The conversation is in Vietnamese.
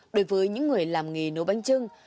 đối với những người làm nghề nấu bánh chưng